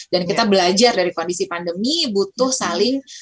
dan kita belajar dari kondisi pandemi butuh saling